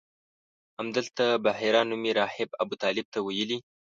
همدلته بحیره نومي راهب ابوطالب ته ویلي.